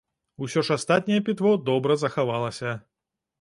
Усё ж астатняе пітво добра захавалася.